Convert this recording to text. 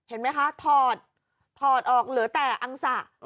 เห็นไหมคะถอดถอดออกเหลือแต่อังสะ